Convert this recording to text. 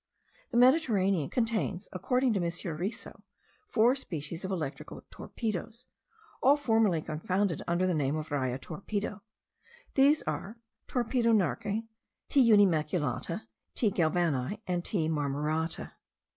The Mediterranean contains, according to M. Risso, four species of electrical torpedos, all formerly confounded under the name of Raia torpedo; these are Torpedo narke, T. unimaculata, T. galvanii, and T. marmorata.